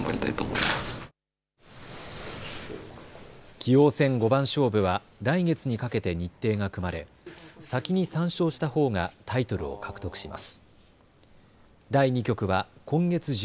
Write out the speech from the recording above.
棋王戦五番勝負は来月にかけて日程が組まれ先に３勝したほうがタイトルを獲得します。